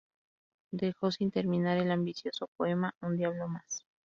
Dejó sin terminar el ambicioso poema "Un diablo más".